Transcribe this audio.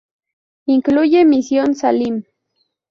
Incluye Misión Salim.